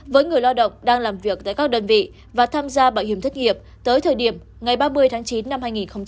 với người lao động đang làm việc tại các đơn vị và tham gia bảo hiểm thất nghiệp tới thời điểm ngày ba mươi tháng chín năm hai nghìn hai mươi